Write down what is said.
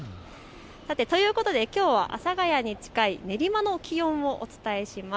ということで、きょうは阿佐ヶ谷に近い練馬の気温をお伝えします。